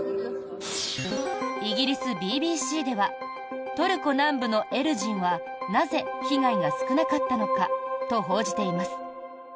イギリスＢＢＣではトルコ南部のエルジンはなぜ被害が少なかったのか？と報じています。